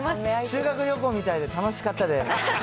修学旅行みたいで、楽しかったです。